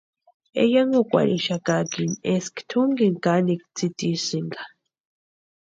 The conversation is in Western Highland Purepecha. Eyankukwarhixakakini eska tʼunkini kanikwa tsítisïnka.